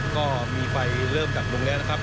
ก็มีไฟเริ่มดับลงแล้วนะครับ